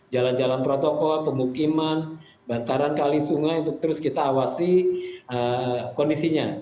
jalan jalan protokol pemukiman bantaran kali sungai untuk terus kita awasi kondisinya